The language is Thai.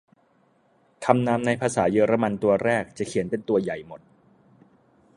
คำนามในภาษาเยอรมันตัวแรกจะเขียนเป็นตัวใหญ่หมด